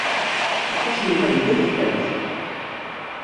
Aṭas n umahil ay tlamt?